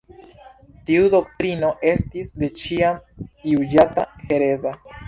Tiu doktrino estis de ĉiam juĝata hereza.